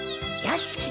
よし！